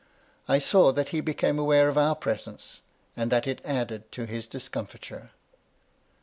I saw that he became aware of our presence, and that it added to his discomfiture.